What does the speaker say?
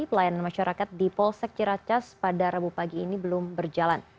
pelayanan masyarakat di polsek ciracas pada rabu pagi ini belum berjalan